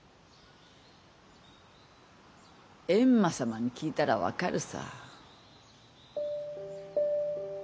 閻魔様に聞いたら分かるさ。